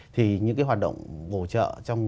thì những cái hoạt động hỗ trợ